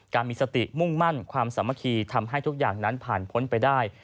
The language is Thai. มีสติมุ่งมั่นความสามัคคีทำให้ทุกอย่างนั้นผ่านพ้นไปได้